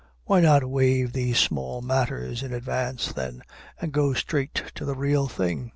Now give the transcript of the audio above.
Why not waive these small matters in advance, then, and go straight to the real thing?